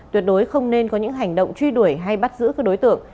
tuyệt đối không nên có những hành động truy đuổi hay bắt giữ các đối tượng